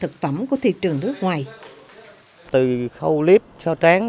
có một ý tưởng là